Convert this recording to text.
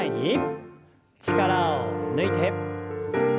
力を抜いて。